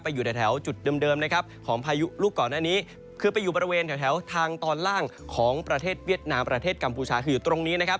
อยู่ในแถวจุดเดิมนะครับของพายุลูกก่อนหน้านี้คือไปอยู่บริเวณแถวทางตอนล่างของประเทศเวียดนามประเทศกัมพูชาคืออยู่ตรงนี้นะครับ